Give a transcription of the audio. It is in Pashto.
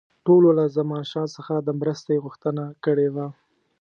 ټولو له زمانشاه څخه د مرستې غوښتنه کړې وه.